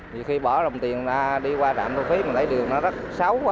thì khi bỏ lòng tiền đi qua đạm thu phí mà lấy đường nó rất xấu quá